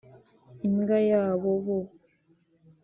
Imbwa yabo Bo